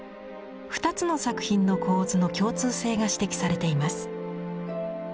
２つの作品の構図の共通性が指摘されています。